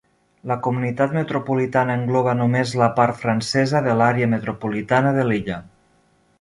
La comunitat metropolitana engloba només la part francesa de l'àrea metropolitana de Lilla.